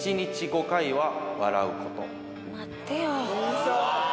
待ってよ。